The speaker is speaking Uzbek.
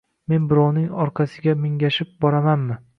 Men birovning orqasiga mingashib boramanmi